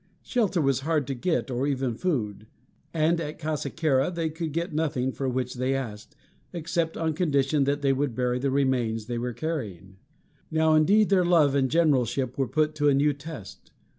Shelter was hard to get, or even food; and at Kasekera they could get nothing for which they asked, except on condition that they would bury the remains they were carrying. Now indeed their love and generalship were put to a new test.